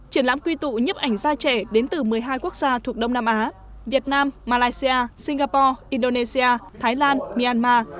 triển lãm quy tụ nhấp ảnh da trẻ đến từ một mươi hai quốc gia thuộc đông nam á việt nam malaysia singapore indonesia thái lan myanmar